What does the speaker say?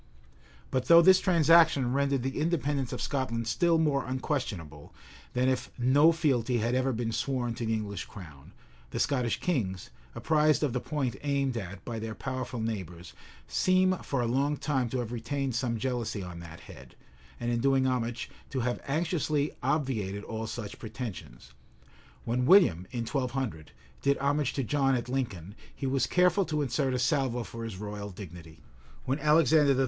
But though this transaction rendered the independence of Scotland still more unquestionable, than if no fealty had ever been sworn to the English crown, the Scottish kings, apprised of the point aimed at by their powerful neighbors, seem for a long time to have retained some jealousy on that head, and, in doing homage, to have anxiously obviated all such pretensions. When William, in 1200, did homage to John at Lincoln, he was careful to insert a salvo for his royal dignity;[*] when Alexander III.